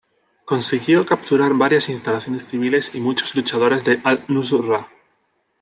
Consiguió capturar varias instalaciones civiles y muchos luchadores de Al-Nusra.